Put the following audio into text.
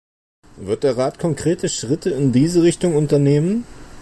Wird der Rat konkrete Schritte in diese Richtung unternehmen?